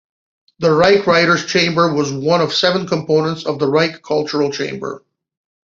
The Reich Writers Chamber was one of seven components of the Reich Cultural Chamber.